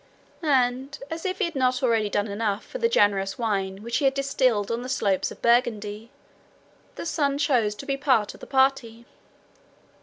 And, as if he had not already done enough for the generous wine which he had distilled on the slopes of Burgundy, the sun chose to be part of the party.